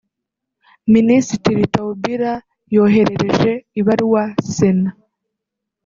Minisitiri Taubira yoherereje ibaruwa sena